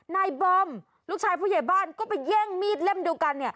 นายบอมลูกชายผู้ใหญ่บ้านก็ไปแย่งมีดเล่มเดียวกัน